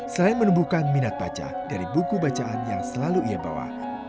selain menumbuhkan minat baca dari buku bacaan yang selalu ia bawa